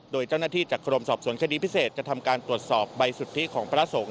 โดยเจ้าหน้าที่จากกรมสอบสวนคดีพิเศษจะทำการตรวจสอบใบสุทธิของพระสงฆ